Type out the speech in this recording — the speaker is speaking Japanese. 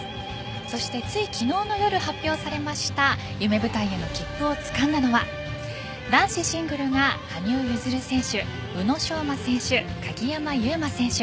そして、つい昨日の夜発表されました夢舞台への切符をつかんだのは男子シングルが羽生結弦選手宇野昌磨選手、鍵山優真選手。